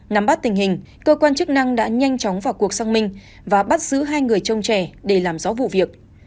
nắm bắt tình hình cơ quan chức năng đã nhanh chóng vào cuộc sang minh và bắt giữ hai người trông trẻ để làm rõ vụ việc